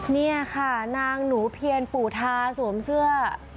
นี่ค่ะนางหนูเพียรปู่ทาสวมเสื้อ